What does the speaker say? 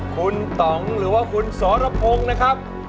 คุณต่องหรือว่าคุณสรพงศ์นะครับ